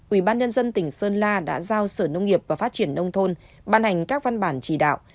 ubnd tỉnh sơn la đã giao sở nông nghiệp và phát triển nông thôn ban hành các văn bản chỉ đạo